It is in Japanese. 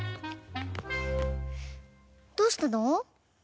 どうしたの？